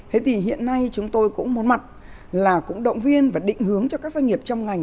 thế thì hiện nay chúng tôi cũng muốn mặt là cũng động viên và định hướng cho các doanh nghiệp trong ngành